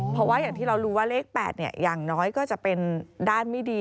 เพราะว่าอย่างที่เรารู้ว่าเลข๘อย่างน้อยก็จะเป็นด้านไม่ดี